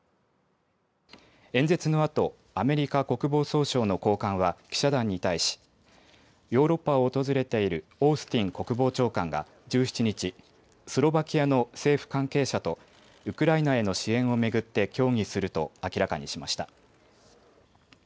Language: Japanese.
演説のあとアメリカ国防総省の高官は記者団に対しヨーロッパを訪れているオースティン国防長官が１７日、スロバキアの政府関係者とウクライナへの支援を巡って協議すると明らかにしました。